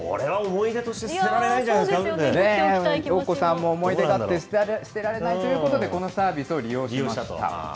ようこさんも思い出があって捨てられないということで、このサービスを利用したと。